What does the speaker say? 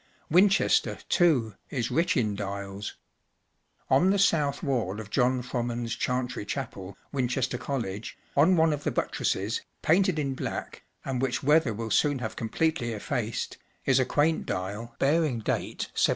Winchester, too, is rich in dials ; on the south wall of John Frommond’s Chantry Chapel, Winchester College, on one of the buttresses, painted in black, and which weather will soon have com¬ pletely effaced, is a quaint dial bearing date 1712.